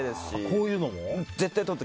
こういうのも？